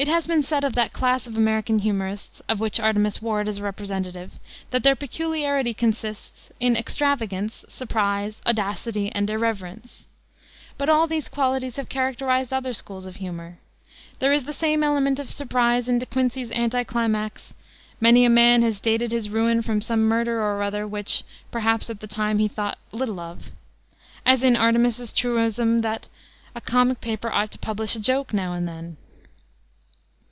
It has been said of that class of American humorists of which Artemus Ward is a representative that their peculiarity consists in extravagance, surprise, audacity and irreverence. But all these qualities have characterized other schools of humor. There is the same element of surprise in De Quincey's anticlimax, "Many a man has dated his ruin from some murder or other which, perhaps, at the time he thought little of," as in Artemus's truism that "a comic paper ought to publish a joke now and then."